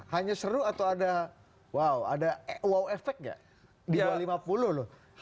hanya seru atau ada wow ada wow effect nggak di bawah lima puluh loh